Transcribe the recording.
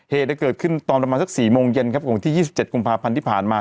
เหตุเกิดขึ้นตอนประมาณสัก๔โมงเย็นครับของวันที่๒๗กุมภาพันธ์ที่ผ่านมา